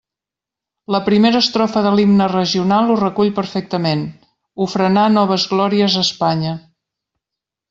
La primera estrofa de l'himne regional ho recull perfectament: «ofrenar noves glòries a Espanya».